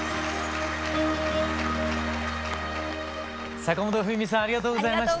坂本冬美さんありがとうございました。